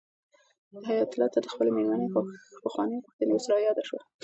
حیات الله ته د خپلې مېرمنې پخوانۍ غوښتنه اوس رایاده شوه.